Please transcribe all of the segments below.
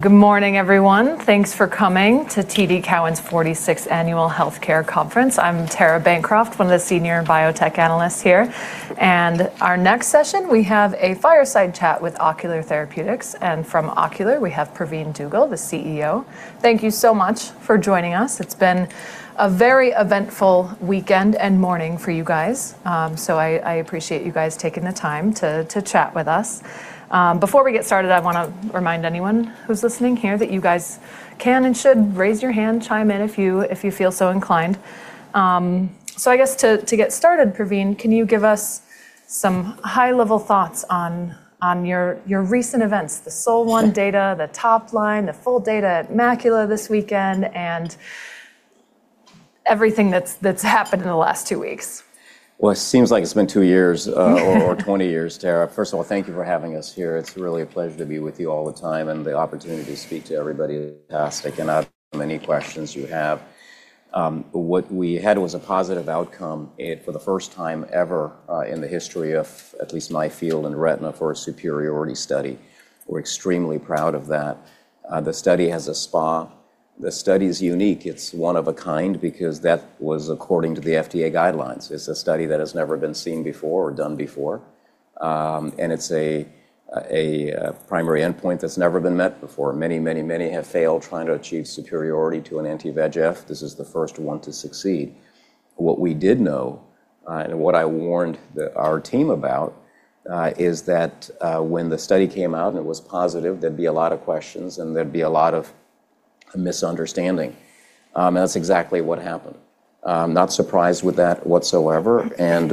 Good morning, everyone. Thanks for coming to TD Cowen's 46th Annual Healthcare Conference. I'm Tara Bancroft, one of the senior biotech analysts here. Our next session, we have a fireside chat with Ocular Therapeutix. From Ocular, we have Pravin U. Dugel, the CEO. Thank you so much for joining us. It's been a very eventful weekend and morning for you guys, so I appreciate you guys taking the time to chat with us. Before we get started, I wanna remind anyone who's listening here that you guys can and should raise your hand, chime in if you, if you feel so inclined. I guess to get started, Pravin, can you give us some high-level thoughts on your recent events, the SOL-1 data, the top line, the full data at The Macula Society this weekend, and everything that's happened in the last two weeks? Well, it seems like it's been two years or 20 years, Tara. First of all, thank you for having us here. It's really a pleasure to be with you all the time, and the opportunity to speak to everybody is fantastic, and answer any questions you have. What we had was a positive outcome for the first time ever in the history of at least my field in retina for a superiority study. We're extremely proud of that. The study has a SPA. The study is unique. It's one of a kind because that was according to the FDA guidelines. It's a study that has never been seen before or done before. It's a primary endpoint that's never been met before. Many have failed trying to achieve superiority to an anti-VEGF. This is the first one to succeed. What we did know, and what I warned our team about, is that when the study came out and it was positive, there'd be a lot of questions and there'd be a lot of misunderstanding. That's exactly what happened. I'm not surprised with that whatsoever.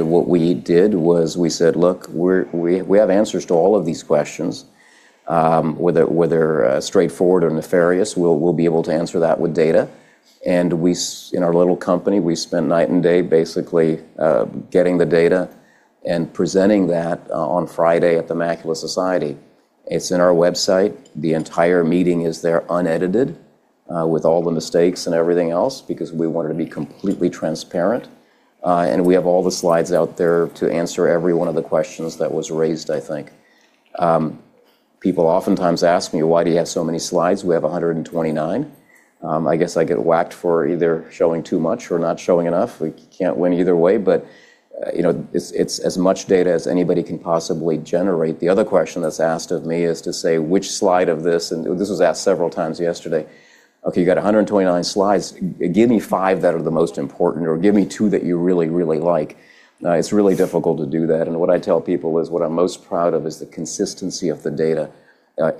What we did was we said, "Look, we have answers to all of these questions, whether straightforward or nefarious, we'll be able to answer that with data." In our little company, we spend night and day basically getting the data and presenting that on Friday at The Macula Society. It's in our website. The entire meeting is there unedited, with all the mistakes and everything else because we wanted to be completely transparent. We have all the slides out there to answer every one of the questions that was raised, I think. People oftentimes ask me, "Why do you have so many slides?" We have 129. I guess I get whacked for either showing too much or not showing enough. We can't win either way, but, you know, it's as much data as anybody can possibly generate. The other question that's asked of me is to say which slide of this, and this was asked several times yesterday, "Okay, you got 129 slides. Give me 5 that are the most important or give me 2 that you really like." It's really difficult to do that. What I tell people is what I'm most proud of is the consistency of the data.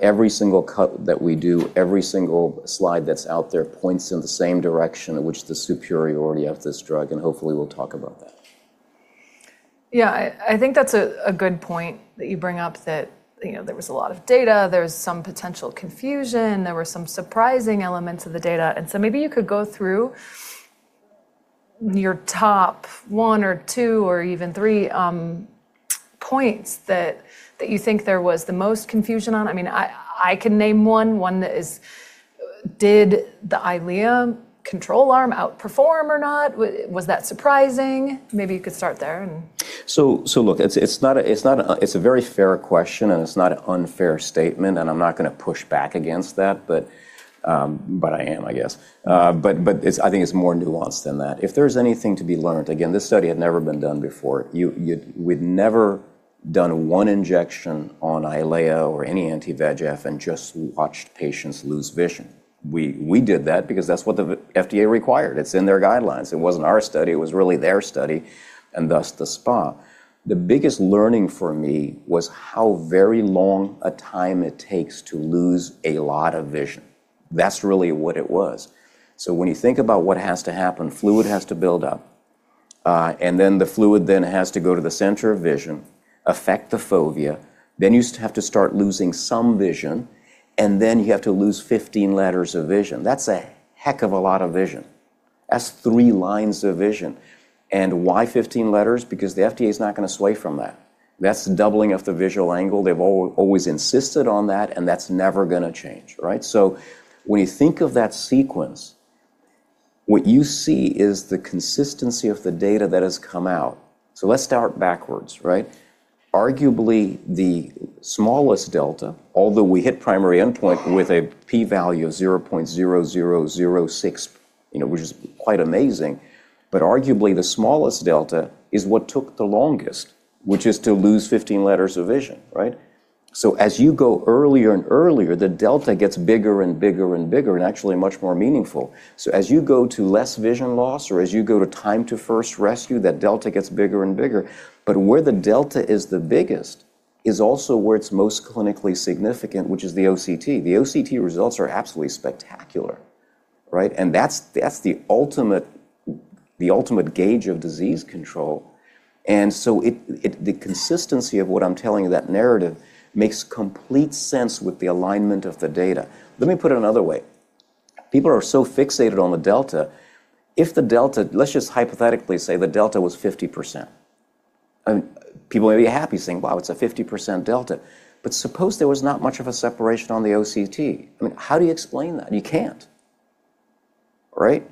Every single cut that we do, every single slide that's out there points in the same direction in which the superiority of this drug, and hopefully we'll talk about that. Yeah. I think that's a good point that you bring up that, you know, there was a lot of data, there was some potential confusion, there were some surprising elements of the data. Maybe you could go through your top one or two or even three points that you think there was the most confusion on. I mean, I can name one that is, did the EYLEA control arm outperform or not? Was that surprising? Maybe you could start there. Look, it's not a... It's a very fair question. It's not an unfair statement. I'm not gonna push back against that, but I am, I guess. I think it's more nuanced than that. If there's anything to be learned, again, this study had never been done before. We've never done one injection on EYLEA or any anti-VEGF and just watched patients lose vision. We did that because that's what the FDA required. It's in their guidelines. It wasn't our study. It was really their study, and thus the SPA. The biggest learning for me was how very long a time it takes to lose a lot of vision. That's really what it was. When you think about what has to happen, fluid has to build up, and then the fluid then has to go to the center of vision, affect the fovea, then you have to start losing some vision, and then you have to lose 15 letters of vision. That's a heck of a lot of vision. That's 3 lines of vision. Why 15 letters? Because the FDA is not gonna sway from that. That's doubling of the visual angle. They've always insisted on that, and that's never gonna change, right? When you think of that sequence, what you see is the consistency of the data that has come out. Let's start backwards, right? Arguably, the smallest delta, although we hit primary endpoint with a p value of 0.0006, you know, which is quite amazing. Arguably the smallest delta is what took the longest, which is to lose 15 letters of vision, right? As you go earlier and earlier, the delta gets bigger and bigger and bigger and actually much more meaningful. As you go to less vision loss or as you go to time to first rescue, that delta gets bigger and bigger. Where the delta is the biggest is also where it's most clinically significant, which is the OCT. The OCT results are absolutely spectacular, right? That's, that's the ultimate, the ultimate gauge of disease control. The consistency of what I'm telling you, that narrative, makes complete sense with the alignment of the data. Let me put it another way. People are so fixated on the delta. Let's just hypothetically say the delta was 50%. People may be happy saying, "Wow, it's a 50% delta." Suppose there was not much of a separation on the OCT. I mean, how do you explain that? You can't. Right?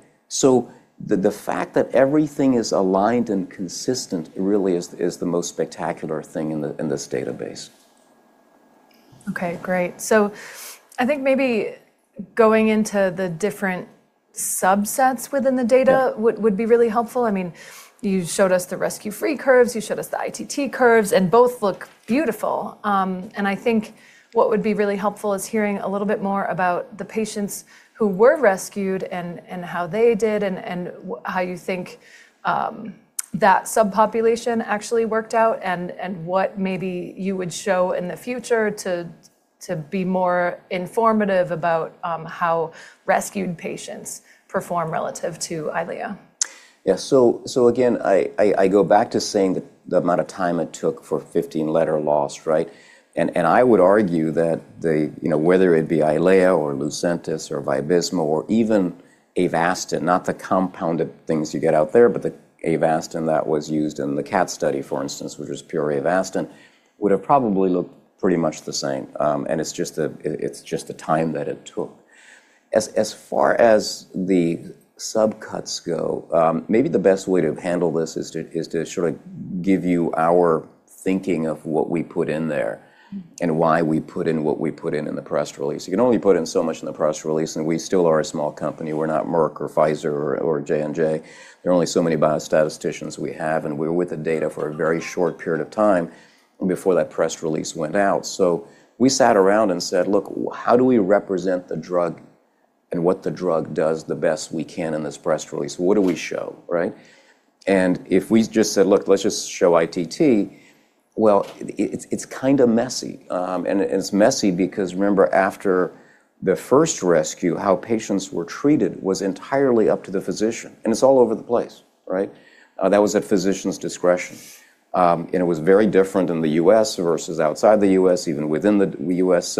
The fact that everything is aligned and consistent really is the most spectacular thing in this database. Okay, great. I think maybe going into the different subsets within the data. Yeah. -would be really helpful. I mean, you showed us the rescue-free curves, you showed us the ITT curves, both look beautiful. I think what would be really helpful is hearing a little bit more about the patients who were rescued and how they did and how you think that subpopulation actually worked out and what maybe you would show in the future to be more informative about how rescued patients perform relative to EYLEA. Yeah. Again, I go back to saying the amount of time it took for 15 letter loss, right? I would argue that the... you know, whether it be EYLEA or Lucentis or Vabysmo or even Avastin, not the compounded things you get out there, but the Avastin that was used in the CATT study, for instance, which was pure Avastin, would have probably looked pretty much the same. It's just the, it's just the time that it took. As far as the subcuts go, maybe the best way to handle this is to sort of give you our thinking of what we put in there. Mm-hmm. Why we put in what we put in in the press release. You can only put in so much in the press release, and we still are a small company. We're not Merck or Pfizer or J&J. There are only so many biostatisticians we have, and we're with the data for a very short period of time before that press release went out. We sat around and said, "Look, how do we represent the drug and what the drug does the best we can in this press release? What do we show?" Right? If we just said, "Look, let's just show ITT," well, it's kind of messy. It's messy because remember, after the first rescue, how patients were treated was entirely up to the physician, and it's all over the place, right? That was at physician's discretion. It was very different in the US versus outside the US, even within the US.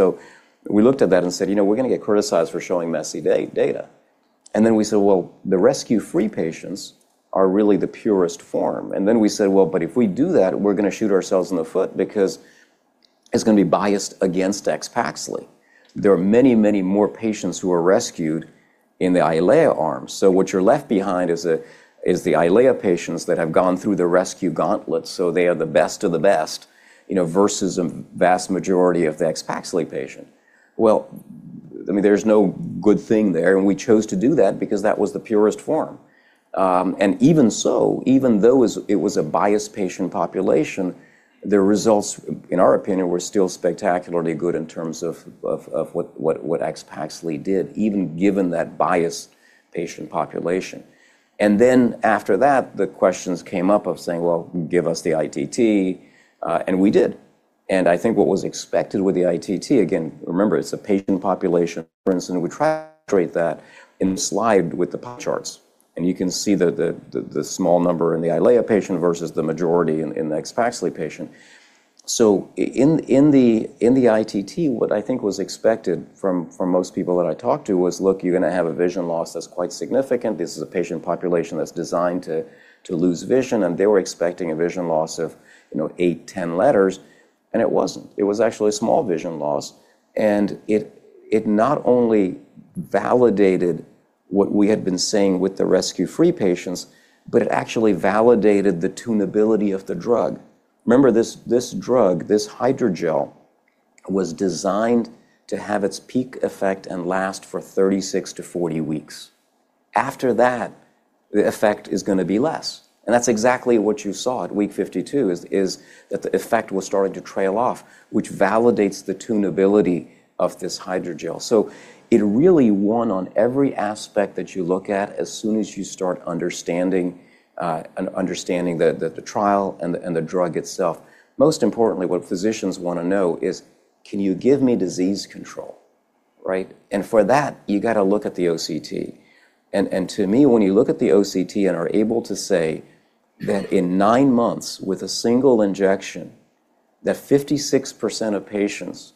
We looked at that and said, "You know, we're going to get criticized for showing messy data." We said, "Well, the rescue-free patients are really the purest form." We said, "Well, if we do that, we're gonna shoot ourselves in the foot because it's gonna be biased against AXPAXLI." There are many, many more patients who are rescued in the EYLEA arm. What you're left behind is the EYLEA patients that have gone through the rescue gauntlet, so they are the best of the best, you know, versus a vast majority of the AXPAXLI patient. I mean, there's no good thing there, we chose to do that because that was the purest form. Even so, even though it was a biased patient population, the results, in our opinion, were still spectacularly good in terms of what AXPAXLI did, even given that biased patient population. After that, the questions came up of saying, "Well, give us the ITT," and we did. I think what was expected with the ITT, again, remember it's a patient population, for instance, we track that in the slide with the pie charts, and you can see the small number in the Eylea patient versus the majority in the AXPAXLI patient. In the ITT, what I think was expected from most people that I talked to was, look, you're gonna have a vision loss that's quite significant. This is a patient population that's designed to lose vision, and they were expecting a vision loss of, you know, eight, 10 letters, and it wasn't. It was actually a small vision loss. It not only validated what we had been saying with the rescue-free patients, but it actually validated the tunability of the drug. Remember, this drug, this hydrogel was designed to have its peak effect and last for 36-40 weeks. After that, the effect is gonna be less. That's exactly what you saw at week 52, is that the effect was starting to trail off, which validates the tunability of this hydrogel. It really won on every aspect that you look at as soon as you start understanding the trial and the, and the drug itself. Most importantly, what physicians wanna know is, "Can you give me disease control?" Right? For that, you gotta look at the OCT. To me, when you look at the OCT and are able to say that in 9 months, with a single injection, that 56% of patients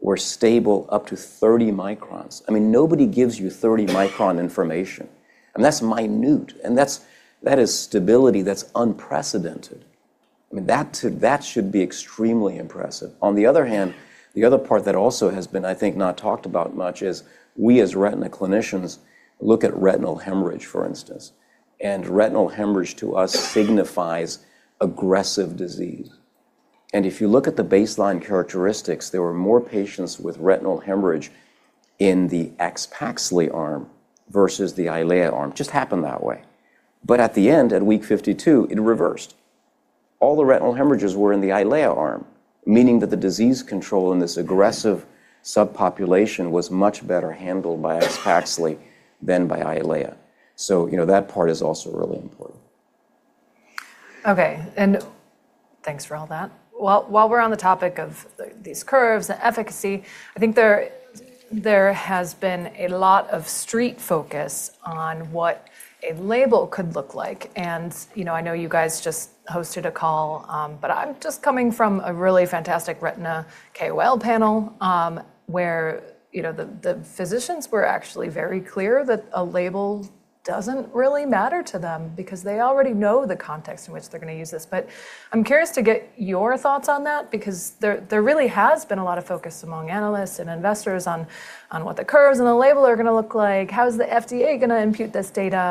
were stable up to 30 microns. I mean, nobody gives you 30-micron information. I mean, that's minute, and that is stability that's unprecedented. I mean, that should be extremely impressive. On the other hand, the other part that also has been, I think, not talked about much is we as retina clinicians look at retinal hemorrhage, for instance. Retinal hemorrhage, to us, signifies aggressive disease. If you look at the baseline characteristics, there were more patients with retinal hemorrhage in the AXPAXLI arm versus the EYLEA arm. Just happened that way. At the end, at week 52, it reversed. All the retinal hemorrhages were in the EYLEA arm, meaning that the disease control in this aggressive subpopulation was much better handled by AXPAXLI than by EYLEA. You know, that part is also really important. Okay. Thanks for all that. Well, while we're on the topic of these curves and efficacy, I think there has been a lot of street focus on what a label could look like. You know, I know you guys just hosted a call, but I'm just coming from a really fantastic retina KOL panel, where, you know, the physicians were actually very clear that a label doesn't really matter to them because they already know the context in which they're gonna use this. I'm curious to get your thoughts on that because there really has been a lot of focus among analysts and investors on what the curves and the label are gonna look like. How is the FDA gonna impute this data?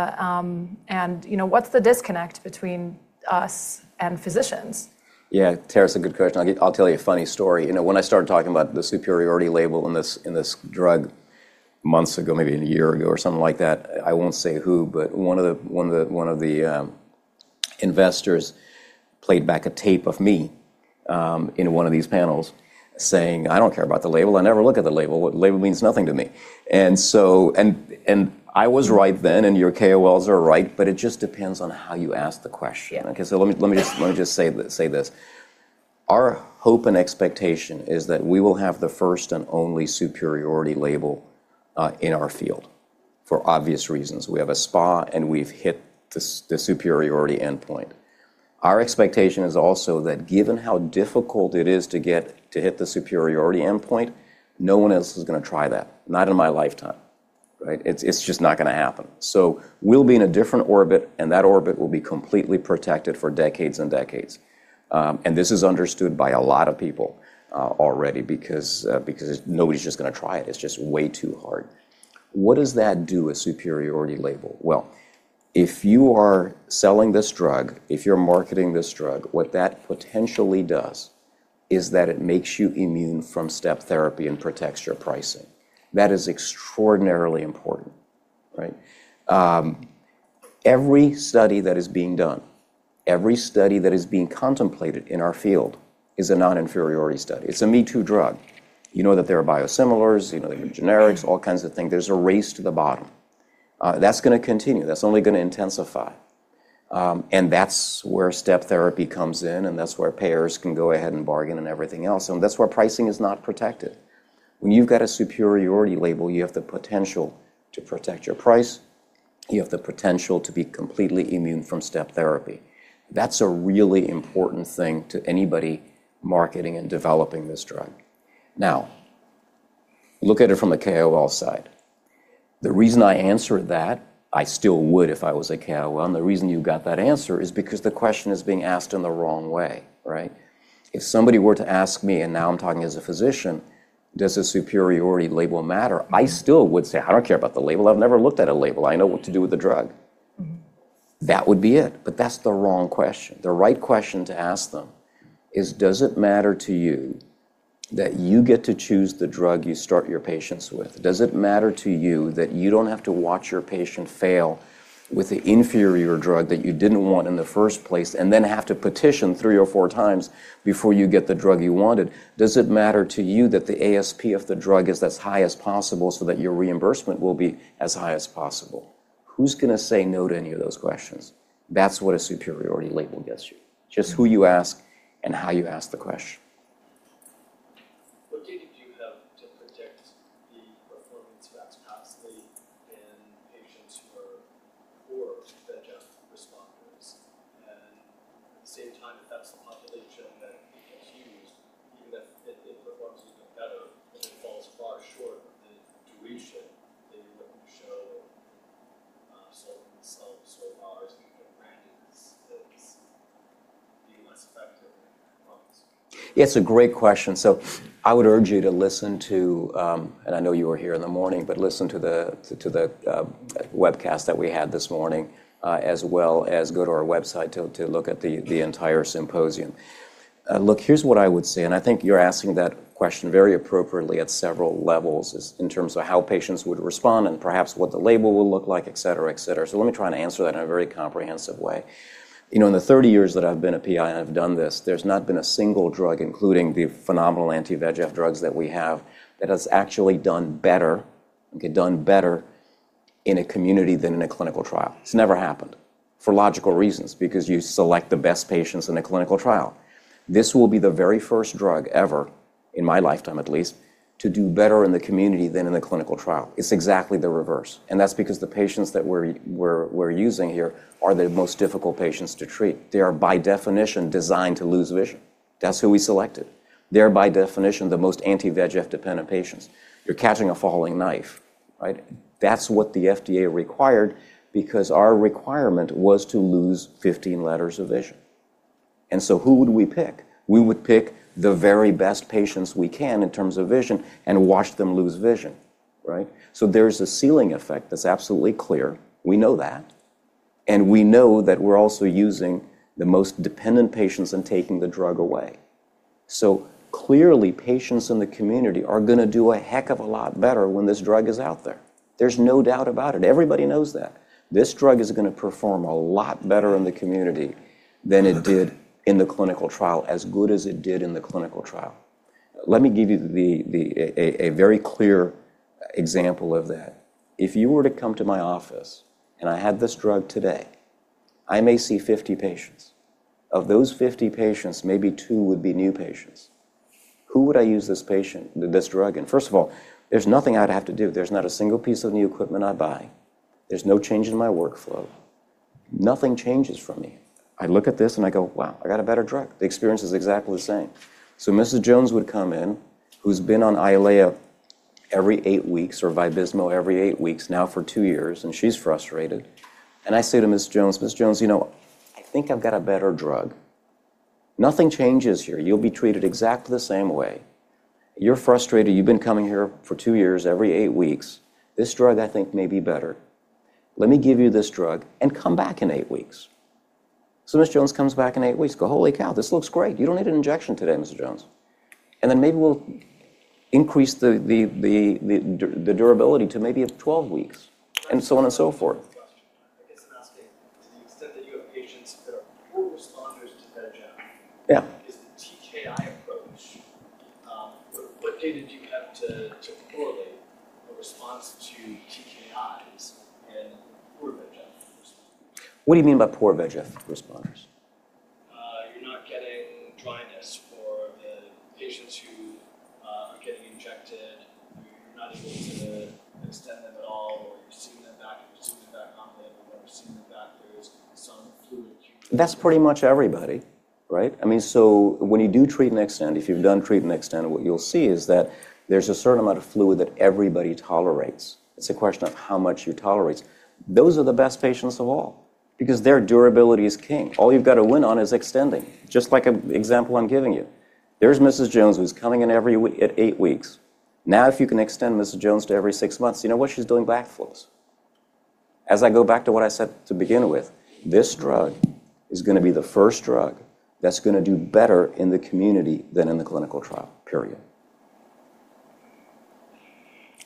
You know, what's the disconnect between us and physicians? Yeah, Tara, it's a good question. I'll tell you a funny story. You know, when I started talking about the superiority label in this, in this drug months ago, maybe a year ago or something like that, I won't say who, but one of the investors played back a tape of me in one of these panels saying, "I don't care about the label. I never look at the label. Label means nothing to me." I was right then, and your KOLs are right, but it just depends on how you ask the question. Yeah. Let me just say this. Our hope and expectation is that we will have the first and only superiority label in our field for obvious reasons. We have a SPA, and we've hit the superiority endpoint. Our expectation is also that given how difficult it is to get to hit the superiority endpoint, no one else is gonna try that, not in my lifetime, right? It's just not gonna happen. We'll be in a different orbit, and that orbit will be completely protected for decades and decades. This is understood by a lot of people already because nobody's just gonna try it. It's just way too hard. What does that do, a superiority label? If you are selling this drug, if you're marketing this drug, what that potentially does is that it makes you immune from step therapy and protects your pricing. That is extraordinarily important, right? Every study that is being done, every study that is being contemplated in our field is a non-inferiority study. It's a me-too drug. You know that there are biosimilars, you know there are generics, all kinds of things. There's a race to the bottom. That's gonna continue. That's only gonna intensify. That's where step therapy comes in, and that's where payers can go ahead and bargain and everything else, and that's where pricing is not protected. When you've got a superiority label, you have the potential to protect your price. You have the potential to be completely immune from step therapy. That's a really important thing to anybody marketing and developing this drug. Look at it from the KOL side. The reason I answered that, I still would if I was a KOL, and the reason you got that answer is because the question is being asked in the wrong way, right? If somebody were to ask me, and now I'm talking as a physician, "Does a superiority label matter?" I still would say, "I don't care about the label. I've never looked at a label. I know what to do with the drug. Mm-hmm. That would be it, but that's the wrong question. The right question to ask them is: Does it matter to you that you get to choose the drug you start your patients with? Does it matter to you that you don't have to watch your patient fail with the inferior drug that you didn't want in the first place and then have to petition three or four times before you get the drug you wanted? Does it matter to you that the ASP of the drug is as high as possible so that your reimbursement will be as high as possible? Who's gonna say no to any of those questions? That's what a superiority label gets you. Just who you ask and how you ask the question. What data do you have to protect the performance of AXPAXLI in patients who are poor VEGF responders? At the same time, if that's the population that it gets used, even if it performs even better and it falls far short in duration than you would show, so and so powers being rebranded as being less effective in the long term. It's a great question. I would urge you to listen to, and I know you were here in the morning, but listen to the webcast that we had this morning, as well as go to our website to look at the entire symposium. Look, here's what I would say, and I think you're asking that question very appropriately at several levels is in terms of how patients would respond and perhaps what the label will look like, et cetera, et cetera. Let me try and answer that in a very comprehensive way. You know, in the 30 years that I've been a PI and I've done this, there's not been a single drug, including the phenomenal anti-VEGF drugs that we have, that has actually done better, okay, done better in a community than in a clinical trial. It's never happened for logical reasons, because you select the best patients in a clinical trial. This will be the very first drug ever, in my lifetime at least, to do better in the community than in a clinical trial. It's exactly the reverse. That's because the patients that we're using here are the most difficult patients to treat. They are, by definition, designed to lose vision. That's who we selected. They're, by definition, the most anti-VEGF-dependent patients. You're catching a falling knife, right? That's what the FDA required because our requirement was to lose 15 letters of vision. Who would we pick? We would pick the very best patients we can in terms of vision and watch them lose vision, right? There's a ceiling effect that's absolutely clear. We know that we're also using the most dependent patients in taking the drug away. Clearly, patients in the community are gonna do a heck of a lot better when this drug is out there. There's no doubt about it. Everybody knows that. This drug is gonna perform a lot better in the community than it did in the clinical trial, as good as it did in the clinical trial. Let me give you a very clear example of that. If you were to come to my office, and I had this drug today, I may see 50 patients. Of those 50 patients, maybe two would be new patients. Who would I use this drug in? First of all, there's nothing I'd have to do. There's not a single piece of new equipment I'd buy. There's no change in my workflow. Nothing changes for me. I look at this, and I go, "Wow, I got a better drug." The experience is exactly the same. Mrs. Jones would come in, who's been on EYLEA every 8 weeks or Vabysmo every 8 weeks now for 2 years, and she's frustrated. I say to Ms. Jones, "Ms. Jones, you know, I think I've got a better drug. Nothing changes here. You'll be treated exactly the same way. You're frustrated. You've been coming here for 2 years, every 8 weeks. This drug I think may be better. Let me give you this drug and come back in 8 weeks." Miss Jones comes back in 8 weeks. Go, "Holy cow, this looks great. You don't need an injection today, Miss Jones." Maybe we'll increase the durability to maybe at 12 weeks, and so on and so forth. Question. I guess I'm asking to the extent that you have patients that are poor responders to Behçet. Yeah. Is the TKI approach, what data do you have to correlate the response to TKIs in poor Behçet responders? What do you mean by poor Behçet responders? You're not getting dryness for the patients who are getting injected. You're not able to extend them at all, or you're seeing them back, you're seeing them back on it, or you're seeing them back there is some fluid accumulation. That's pretty much everybody, right? I mean, when you do Treat and Extend, if you've done Treat and Extend, what you'll see is that there's a certain amount of fluid that everybody tolerates. It's a question of how much you tolerate. Those are the best patients of all because their durability is king. All you've got to win on is extending. Just like example I'm giving you. There's Mrs. Jones who's coming in every at 8 weeks. If you can extend Mrs. Jones to every 6 months, you know what? She's doing back flows. As I go back to what I said to begin with, this drug is gonna be the first drug that's gonna do better in the community than in the clinical trial, period.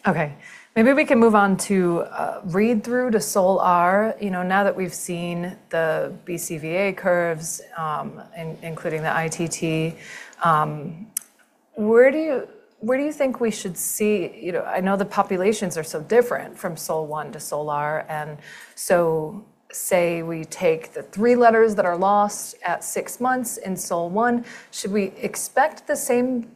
Okay. Maybe we can move on to read through to SOLR. You know, now that we've seen the BCVA curves, including the ITT, where do you think we should see... You know, I know the populations are so different from SOL-1 to SOLR, say we take the three letters that are lost at six months in SOL-1, should we expect the same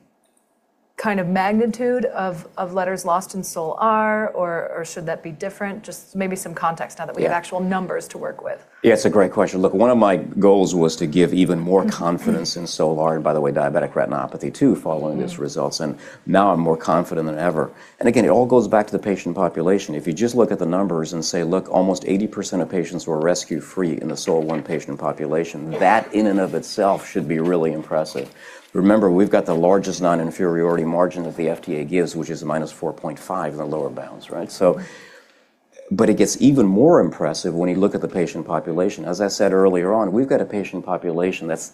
kind of magnitude of letters lost in SOLR, or should that be different? Just maybe some context now that we have- Yeah. actual numbers to work with. Yeah, it's a great question. Look, one of my goals was to give even more confidence in SOL-1, by the way, diabetic retinopathy too, following these results. Now I'm more confident than ever. Again, it all goes back to the patient population. If you just look at the numbers and say, "Look, almost 80% of patients were rescue-free in the SOL-1 patient population," that in and of itself should be really impressive. Remember, we've got the largest non-inferiority margin that the FDA gives, which is minus 4.5 in the lower bounds, right? It gets even more impressive when you look at the patient population. As I said earlier on, we've got a patient population that's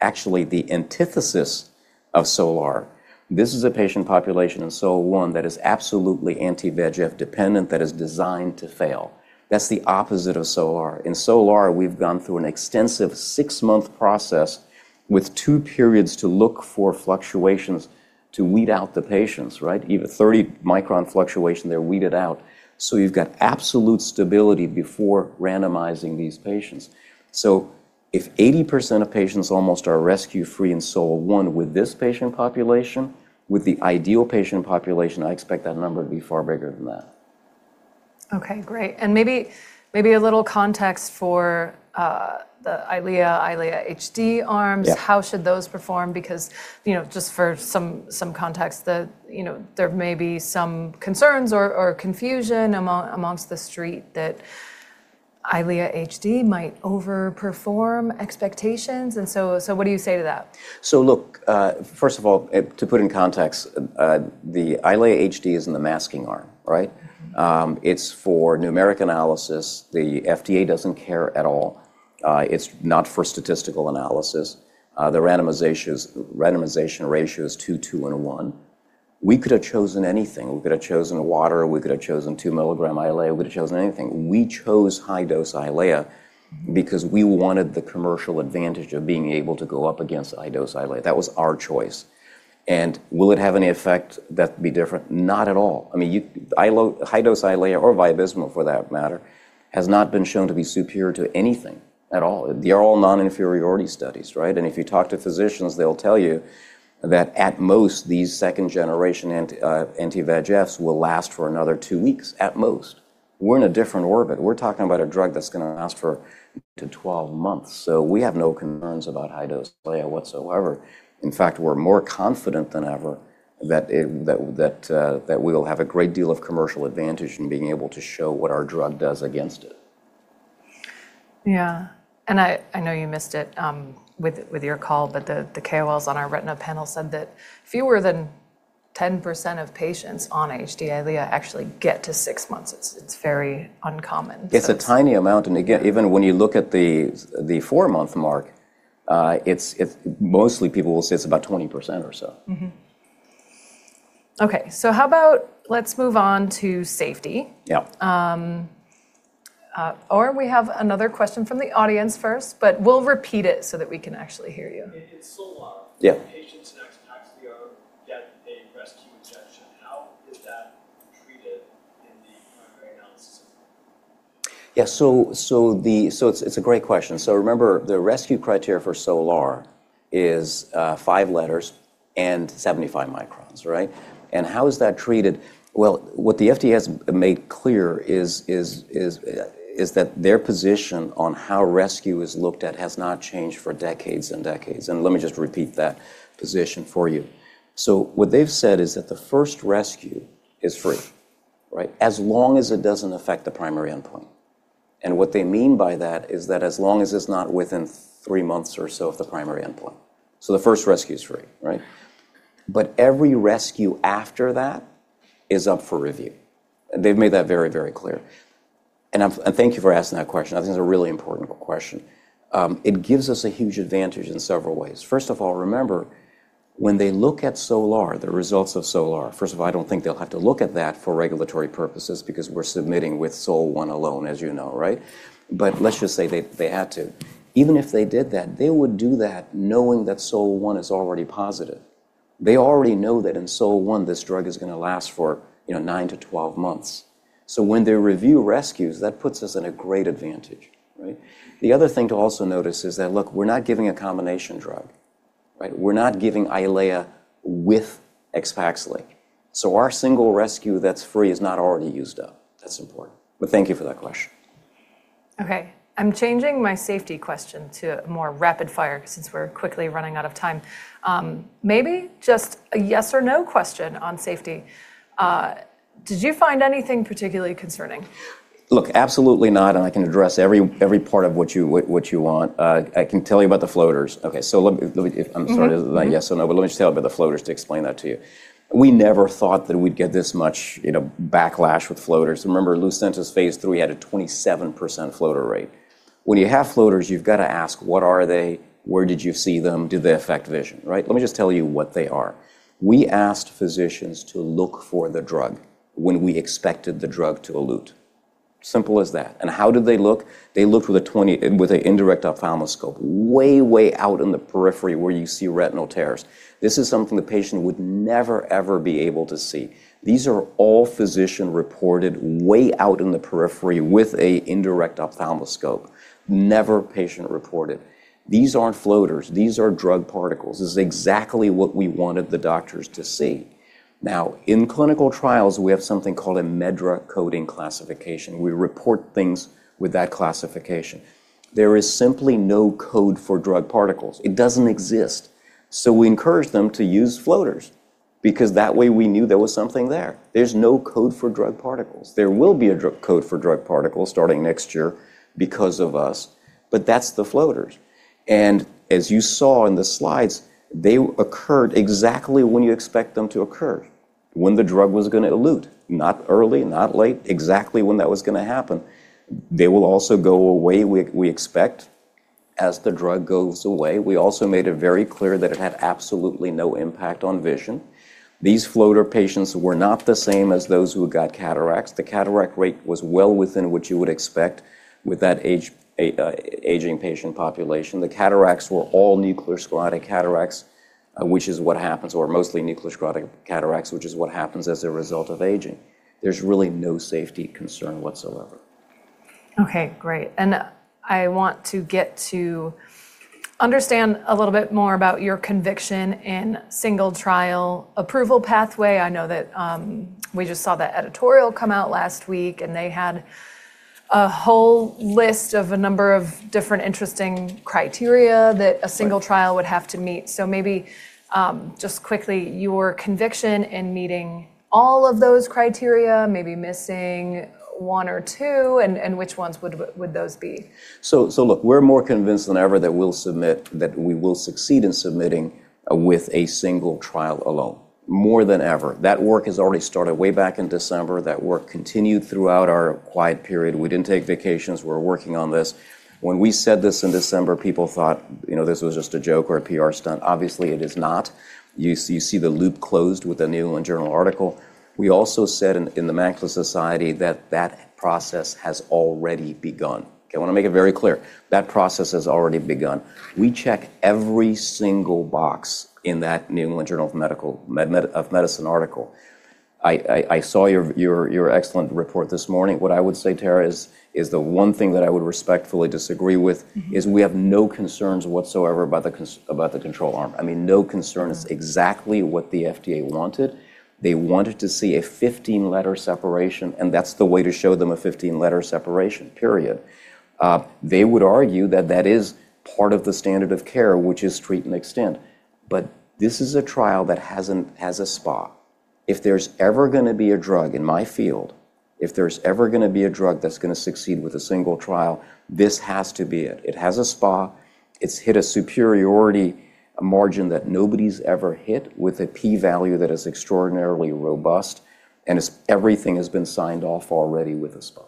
actually the antithesis of SOL-1. This is a patient population in SOL-1 that is absolutely anti-VEGF dependent that is designed to fail. That's the opposite of SOL-1. In SOL-1, we've gone through an extensive 6-month process with 2 periods to look for fluctuations to weed out the patients, right? Even 30-micron fluctuation, they're weeded out. You've got absolute stability before randomizing these patients. If 80% of patients almost are rescue-free in SOL-1 with this patient population, with the ideal patient population, I expect that number to be far bigger than that. Okay, great. Maybe a little context for the EYLEA HD arms. Yeah. How should those perform? You know, just for some context that, you know, there may be some concerns or confusion amongst the street that EYLEA HD might over-perform expectations. What do you say to that? Look, first of all, to put in context, the EYLEA HD is in the masking arm, right? It's for numeric analysis. The FDA doesn't care at all. It's not for statistical analysis. The randomization ratio is two, and one. We could have chosen anything. We could have chosen water, we could have chosen 2 milligram EYLEA, we could have chosen anything. We chose high-dose EYLEA because we wanted the commercial advantage of being able to go up against high-dose EYLEA. That was our choice. Will it have any effect that'd be different? Not at all. I mean, high-dose EYLEA or Vabysmo for that matter, has not been shown to be superior to anything at all. They're all non-inferiority studies, right? If you talk to physicians, they'll tell you that at most, these second-generation anti-VEGFs will last for another two weeks at most. We're in a different orbit. We're talking about a drug that's gonna last for up to 12 months. We have no concerns about high-dose EYLEA whatsoever. In fact, we're more confident than ever that it that we'll have a great deal of commercial advantage in being able to show what our drug does against it. Yeah. I know you missed it, with your call, but the KOLs on our retina panel said that fewer than 10% of patients on EYLEA HD actually get to 6 months. It's very uncommon. It's a tiny amount. Again, even when you look at the four-month mark, it's mostly people will say it's about 20% or so. Mm-hmm. Okay. How about let's move on to safety. Yeah. We have another question from the audience first, but we'll repeat it so that we can actually hear you. In SOL-1 Yeah. patients in AXPAXLI who get a rescue injection, how is that treated in the primary analysis? The... It's a great question. Remember, the rescue criteria for SOLR is five letters and 75 microns, right? How is that treated? Well, what the FDA has made clear is that their position on how rescue is looked at has not changed for decades and decades. Let me just repeat that position for you. What they've said is that the first rescue is free, right? As long as it doesn't affect the primary endpoint. What they mean by that is that as long as it's not within three months or so of the primary endpoint. The first rescue is free, right? Every rescue after that is up for review. They've made that very clear. Thank you for asking that question. I think it's a really important question. It gives us a huge advantage in several ways. First of all, remember when they look at SOL-1, the results of SOL-1, first of all, I don't think they'll have to look at that for regulatory purposes because we're submitting with SOL-1 alone, as you know, right? Let's just say they had to. Even if they did that, they would do that knowing that SOL-1 is already positive. They already know that in SOL-1 this drug is gonna last for, you know, 9-12 months. When they review rescues, that puts us in a great advantage, right? The other thing to also notice is that, look, we're not giving a combination drug, right? We're not giving EYLEA with AXPAXLI. Our single rescue that's free is not already used up. That's important. Thank you for that question. I'm changing my safety question to more rapid fire since we're quickly running out of time. Maybe just a yes or no question on safety. Did you find anything particularly concerning? Look, absolutely not. I can address every part of what you want. I can tell you about the floaters. Okay. Let me. I'm sorry. Mm-hmm. Yes or no, let me just tell you about the floaters to explain that to you. We never thought that we'd get this much, you know, backlash with floaters. Remember Lucentis phase 3 had a 27% floater rate. When you have floaters, you've got to ask, what are they? Where did you see them? Do they affect vision, right? Let me just tell you what they are. We asked physicians to look for the drug when we expected the drug to elute. Simple as that. How did they look? They looked with a indirect ophthalmoscope way out in the periphery where you see retinal tears. This is something the patient would never, ever be able to see. These are all physician-reported way out in the periphery with a indirect ophthalmoscope. Never patient-reported. These aren't floaters. These are drug particles. This is exactly what we wanted the doctors to see. In clinical trials, we have something called a MedDRA coding classification. We report things with that classification. There is simply no code for drug particles. It doesn't exist. We encouraged them to use floaters because that way we knew there was something there. There's no code for drug particles. There will be a code for drug particles starting next year because of us, but that's the floaters. As you saw in the slides, they occurred exactly when you expect them to occur, when the drug was gonna elute. Not early, not late, exactly when that was gonna happen. They will also go away, we expect, as the drug goes away. We also made it very clear that it had absolutely no impact on vision. These floater patients were not the same as those who got cataracts. The cataract rate was well within what you would expect with that age, aging patient population. The cataracts were all nuclear sclerotic cataracts, which is what happens, or mostly nuclear sclerotic cataracts, which is what happens as a result of aging. There's really no safety concern whatsoever. Okay, great. I want to get to understand a little bit more about your conviction in single trial approval pathway. I know that we just saw that editorial come out last week, they had a whole list of a number of different interesting criteria that a single trial would have to meet. Maybe, just quickly, your conviction in meeting all of those criteria, maybe missing 1 or 2, and which ones would those be? Look, we're more convinced than ever that we will succeed in submitting with a single trial alone, more than ever. That work has already started way back in December. That work continued throughout our quiet period. We didn't take vacations. We were working on this. When we said this in December, people thought, you know, this was just a joke or a PR stunt. Obviously, it is not. You see the loop closed with the New England Journal article. We also said in The Macula Society that process has already begun. Okay? I wanna make it very clear, that process has already begun. We check every single box in The New England Journal of Medicine article. I saw your excellent report this morning. What I would say, Tara, is the one thing that I would respectfully disagree with is we have no concerns whatsoever about the control arm. I mean, no concerns. It's exactly what the FDA wanted. They wanted to see a 15 letter separation, that's the way to show them a 15 letter separation, period. They would argue that that is part of the standard of care, which is Treat and Extend. This is a trial that has a SPA. If there's ever gonna be a drug in my field, if there's ever gonna be a drug that's gonna succeed with a single trial, this has to be it. It has a SPA. It's hit a superiority margin that nobody's ever hit with a P value that is extraordinarily robust, it's everything has been signed off already with a SPA.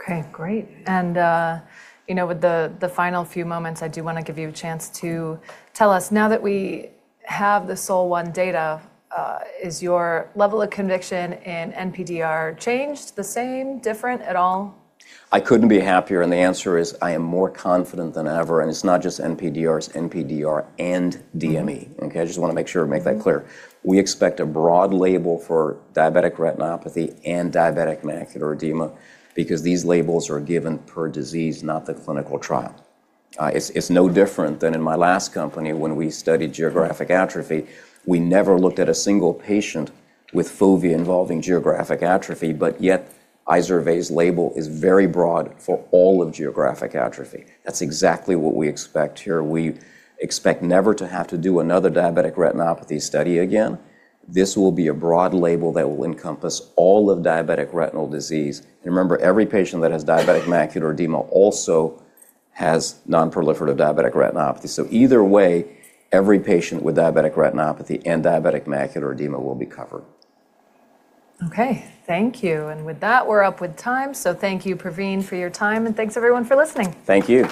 Okay, great. You know, with the final few moments, I do wanna give you a chance to tell us, now that we have the SOL-1 data, is your level of conviction in NPDR changed, the same, different at all? I couldn't be happier. The answer is I am more confident than ever. It's not just NPDR, it's NPDR and DME. Okay? I just wanna make sure to make that clear. We expect a broad label for diabetic retinopathy and diabetic macular edema because these labels are given per disease, not the clinical trial. It's no different than in my last company when we studied geographic atrophy. We never looked at a single patient with fovea involving geographic atrophy. Yet IZERVAY's label is very broad for all of geographic atrophy. That's exactly what we expect here. We expect never to have to do another diabetic retinopathy study again. This will be a broad label that will encompass all of diabetic retinal disease. Remember, every patient that has diabetic macular edema also has non-proliferative diabetic retinopathy. Either way, every patient with diabetic retinopathy and diabetic macular edema will be covered. Okay. Thank you. With that, we're up with time. Thank you, Pravin, for your time, and thanks everyone for listening. Thank you.